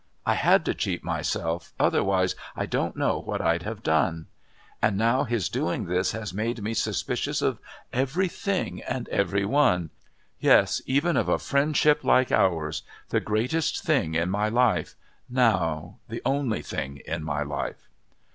I had to cheat myself, otherwise I don't know what I'd have done. And now his doing this has made me suspicious of everything and of every one. Yes, even of a friendship like ours the greatest thing in my life now the only thing in my life."